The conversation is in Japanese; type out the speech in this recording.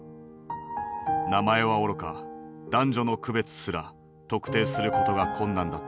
名前はおろか男女の区別すら特定することが困難だった。